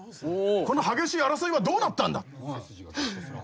この激しい争いはどうなったんだ？